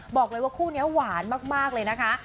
บอกเลยว่าคู่นี้หวานมากเลยนะคะ